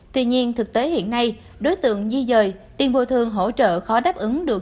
tuy nhiên thực tế hiện nay đối tượng di dời tiền bồi thường hỗ trợ khó đáp ứng được